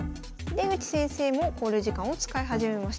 出口先生も考慮時間を使い始めました。